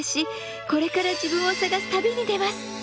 これから自分を探す旅に出ます。